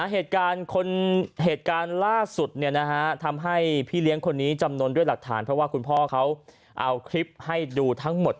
เหตุการณ์ล่าสุดทำให้พี่เลี้ยงคนนี้จำนวนด้วยหลักฐานเพราะว่าคุณพ่อเขาเอาคลิปให้ดูทั้งหมด